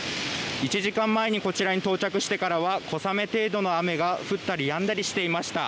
１時間前にこちらに到着してからは、小雨程度の雨が降ったりやんだりしていました。